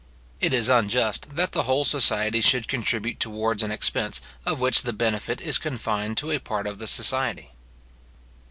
It is unjust that the whole society should contribute towards an expense, of which the benefit is confined to a part of the society.